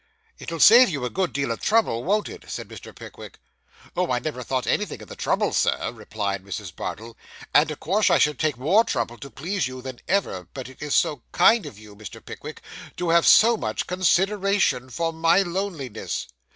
'It'll save you a good deal of trouble, won't it?' said Mr. Pickwick. 'Oh, I never thought anything of the trouble, sir,' replied Mrs. Bardell; 'and, of course, I should take more trouble to please you then, than ever; but it is so kind of you, Mr. Pickwick, to have so much consideration for my loneliness.